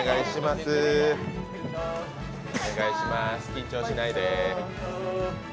緊張しないで。